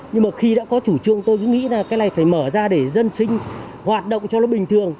nhưng mà khi đã có chủ trương tôi cứ nghĩ là cái này phải mở ra để dân sinh hoạt động cho nó bình thường